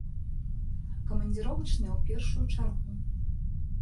Камандзіровачныя ў першую чаргу!